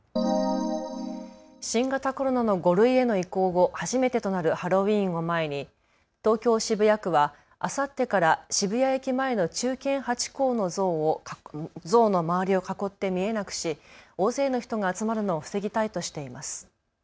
新型コロナの５類への移行後、初めてとなるハロウィーンを前に東京渋谷区はあさってから渋谷駅前の忠犬ハチ公の像の周りを囲って見えなくし、大勢の人が集まるのを防ぎたいとしています。